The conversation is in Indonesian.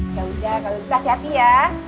yaudah kalau gitu hati hati ya